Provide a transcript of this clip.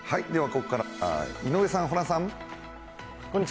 ここから井上さん、ホランさん。